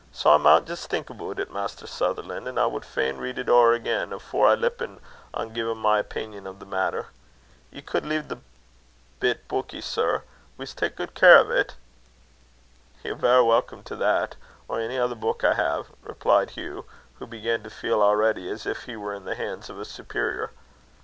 Sae I maun jist think aboot it, Mr. Sutherlan'; an' I wad fain read it ower again, afore I lippen on giein' my opingan on the maitter. Ye cud lave the bit beukie, sir? We'se tak' guid care o't." "Ye're verra welcome to that or ony ither beuk I hae," replied Hugh, who began to feel already as if he were in the hands of a superior.